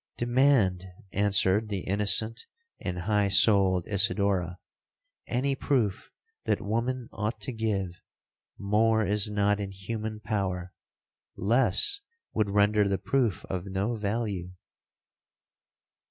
'—'Demand,' answered the innocent and high souled Isidora, 'any proof that woman ought to give—more is not in human power—less would render the proof of no value!'